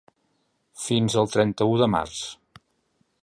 Fins el trenta-u de març.